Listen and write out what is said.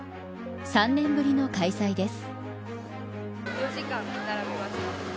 ３年ぶりの開催です。